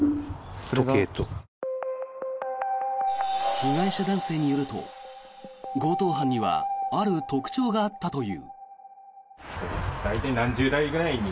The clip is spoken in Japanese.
被害者男性によると強盗犯にはある特徴があったという。